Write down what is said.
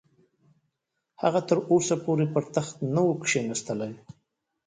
هغه تر اوسه پورې پر تخت نه وو کښېنستلی.